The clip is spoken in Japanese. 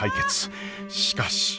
しかし。